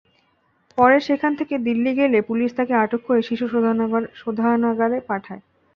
পরে সেখান থেকে দিল্লি গেলে পুলিশ তাকে আটক করে শিশু শোধনাগারে পাঠায়।